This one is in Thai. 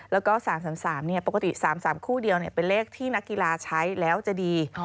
แล้วก็๓๓ปกติ๓๓คู่เดียวเป็นเลขที่นักกีฬาใช้แล้วจะดี